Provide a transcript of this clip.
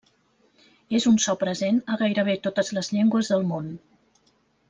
És un so present a gairebé totes les llengües del món.